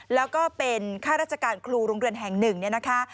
แล้วก็เป็นข้าราชการครูรุงเรียนแห่ง๑นะคะ